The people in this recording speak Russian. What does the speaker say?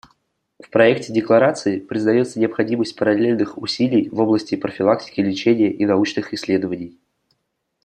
В проекте декларации признается необходимость параллельных усилий в области профилактики, лечения и научных исследований.